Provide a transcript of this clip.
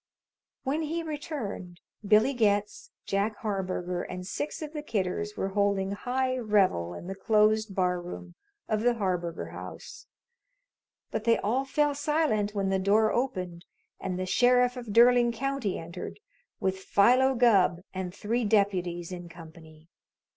When he returned, Billy Getz, Jack Harburger, and six of the Kidders were holding high revel in the closed bar room of the Harburger House, but they all fell silent when the door opened and the Sheriff of Derling County entered, with Philo Gubb and three deputies in company.